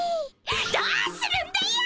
どうするんだよ！